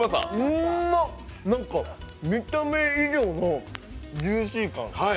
うーまっ、見た目以上のジューシー感。